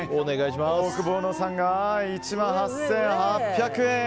オオクボーノさんが１万８８００円。